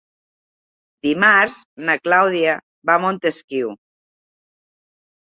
Dimarts na Clàudia va a Montesquiu.